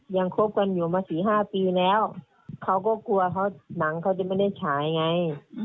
ยังคบกันอยู่มาสี่ห้าปีแล้วเขาก็กลัวหนังเขาจะไม่ได้ถ่ายไง